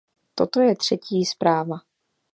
Toto je třetí zpráva.